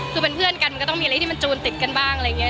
คือเป็นเพื่อนกันมันก็ต้องมีอะไรที่มันจูนติดกันบ้างอะไรอย่างนี้